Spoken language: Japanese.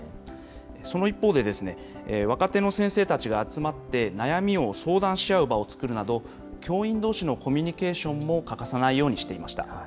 その一方で、若手の先生たちが集まって、悩みを相談し合う場を作るなど、教員どうしのコミュニケーションも欠かさないようにしていました。